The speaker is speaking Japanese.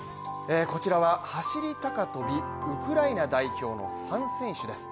こちらは、走り高跳びウクライナ代表の３選手です。